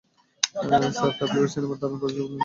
Sir, Taffy ওই সিনেমায় দারুণ করেছে হ্যাঁলো এভ্রিওয়ান।